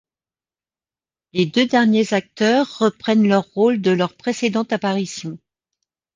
Les deux derniers acteurs reprennent leurs rôles de leur précédente apparition.